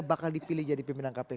bakal dipilih jadi pimpinan kpk